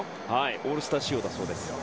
オールスター仕様だそうです。